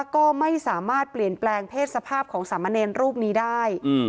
ก็ไม่สามารถเปลี่ยนแปลงเพศสภาพของสามเณรรูปนี้ได้